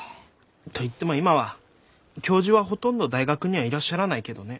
といっても今は教授はほとんど大学にはいらっしゃらないけどね。